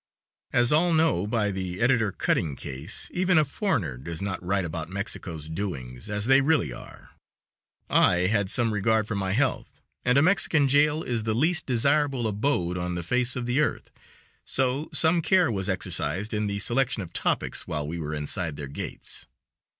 As all know by the Editor Cutting case, even a foreigner does not write about Mexico's doings as they really are. I had some regard for my health, and a Mexican jail is the least desirable abode on the face of the earth, so some care was exercised in the selection of topics while we were inside their gates.